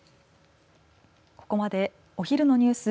ここまでお昼のニュース